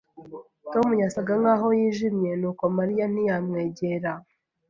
Tom yasaga nkaho yijimye, nuko Mariya ntiyamwegera.